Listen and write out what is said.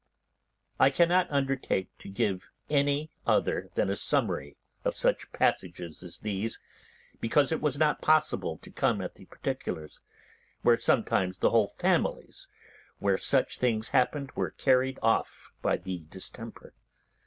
I cannot undertake to give any other than a summary of such passages as these, because it was not possible to come at the particulars, where sometimes the whole families where such things happened were carried off by the distemper.